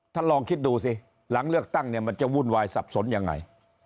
ลองคิดดูสิหลังเลือกตั้งเนี่ยมันจะวุ่นวายสับสนยังไง